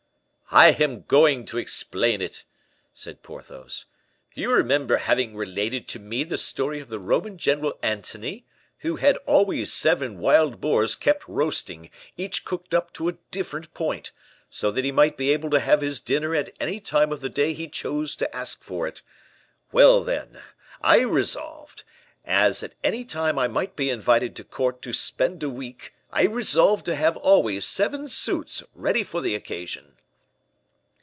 "I am going to explain it," said Porthos. "You remember having related to me the story of the Roman general Antony, who had always seven wild boars kept roasting, each cooked up to a different point; so that he might be able to have his dinner at any time of the day he chose to ask for it. Well, then, I resolved, as at any time I might be invited to court to spend a week, I resolved to have always seven suits ready for the occasion."